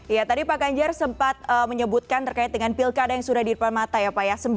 ya tadi pak ganjar sempat menyebutkan terkait dengan pilkada yang sudah di depan mata ya pak ya